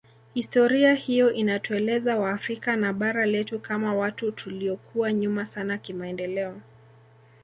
Historia hiyo inatuelezea waafrika na bara letu kama watu tuliokuwa nyuma sana kimaendeleo